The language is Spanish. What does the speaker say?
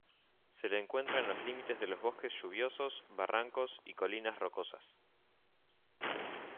Se le encuentra en los límites de los bosques lluviosos, barrancos y colinas rocosas.